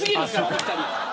あの二人。